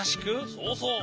そうそう！